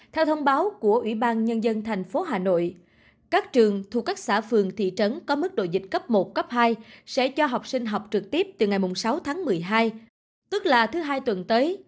theo thông báo của ủy ban nhân dân thành phố hà nội các trường thuộc các xã phường thị trấn có mức độ dịch cấp một cấp hai sẽ cho học sinh học trực tiếp từ ngày sáu tháng một mươi hai tức là thứ hai tuần tới